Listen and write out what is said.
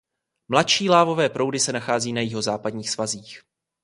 Mladší lávové proudy se nachází na jihozápadních svazích.